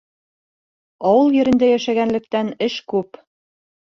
Ауыл ерендә йәшәгәнлектән, эш күп.